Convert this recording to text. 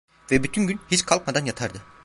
Ve bütün gün, hiç kalkmadan yatardı.